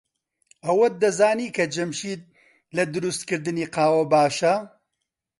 ئەوەت دەزانی کە جەمشید لە دروستکردنی قاوە باشە؟